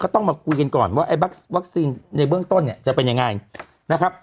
ต้องมาคุยกันก่อนว่าไอ้วัคซีนในเบื้องต้นเนี่ยจะเป็นยังไงนะครับ